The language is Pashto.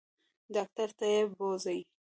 ډاکټر ته یې بوزئ.